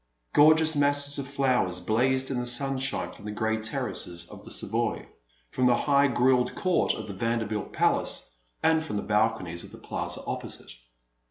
Gorgeous masses of flowers blazed in the sun shine from the grey terraces of the Savoy, from the high grilled court of the Vanderbilt palace, and from the balconies of the Plaza opposite.